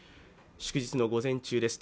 祝日の午前中です。